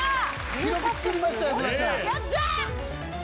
記録作りましたよ、フワちゃやったー！